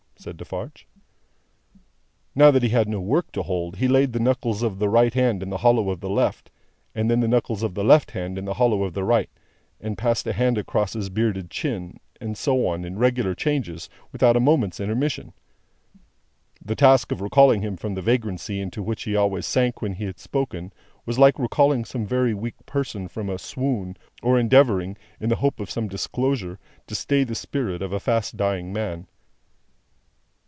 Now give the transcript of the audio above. said Defarge. Now that he had no work to hold, he laid the knuckles of the right hand in the hollow of the left, and then the knuckles of the left hand in the hollow of the right, and then passed a hand across his bearded chin, and so on in regular changes, without a moment's intermission. The task of recalling him from the vagrancy into which he always sank when he had spoken, was like recalling some very weak person from a swoon, or endeavouring, in the hope of some disclosure, to stay the spirit of a fast dying man.